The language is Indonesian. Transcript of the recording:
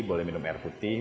boleh minum air putih